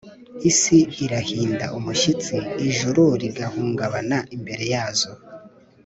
Isi irahinda umushyitsi, ijuru rigahungabana imbere yazo!